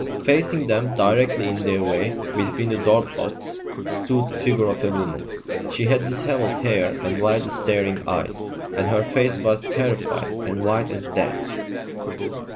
Facing them, directly in their way between the doorposts, stood the figure of a woman. She had dishevelled hair and wildly staring eyes, and her face was terrified and white as death.